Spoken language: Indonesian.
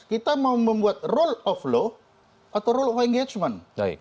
kita mau membuat role of law atau rule of engagement